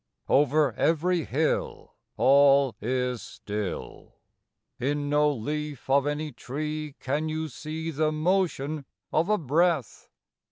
I Over every hill All is still ; In no leaf of any tree Can you see The motion of a breath.